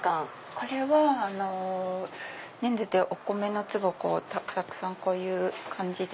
これは粘土でお米の粒をたくさんこういう感じで。